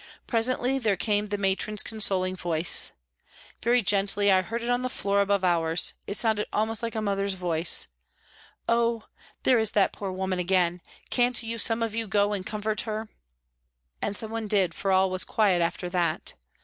Presently there came the Matron's consoling voice. Very gently I heard it on the floor above ours, it sounded almost like a mother's voice :" Oh ! there is that poor woman again. Can't you some of you go and comfort her ?" And some one did, for all was quiet after that.